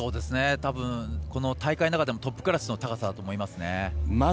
たぶん、この大会の中でもトップクラスの高さだと思います。